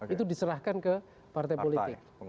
itu diserahkan ke partai politik